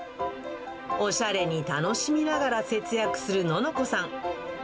おしゃれに楽しみながら節約するののこさん。